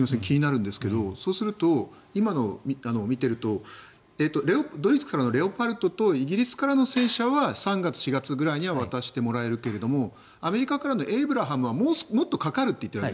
ちょっと気になるんですがそうすると今のを見ているとドイツからのレオパルトとイギリスからの戦車は３月、４月くらいに渡してもらえるけどアメリカのエイブラムスはもっとかかるといっている。